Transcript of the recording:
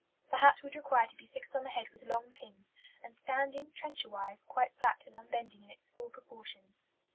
The hat would require to be fixed on the head with long pins, and standing, trencherwise, quite flat and unbending in its full proportions.